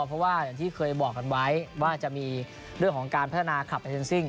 เพราะว่าอย่างที่เคยบอกกันไว้ว่าจะมีเรื่องของการพัฒนาขับอาเจนซิ่ง